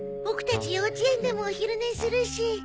ボクたち幼稚園でもお昼寝するし。